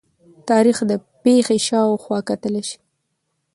تاریخ د پېښې شا او خوا کتلي شي.